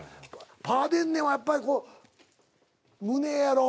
パーデンネンはやっぱりこう胸やろ。